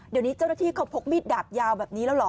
เดี๋ยวนี้เจ้าหน้าที่เขาพกมีดดาบยาวแบบนี้แล้วเหรอ